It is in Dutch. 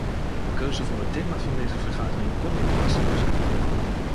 De keuze voor het thema van deze vergadering kon niet passender zijn.